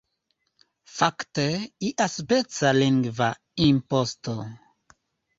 Fakte iaspeca lingva imposto.